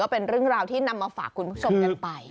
เป็นเรื่องราวที่นำมาฝากคุณผู้ชมกันไป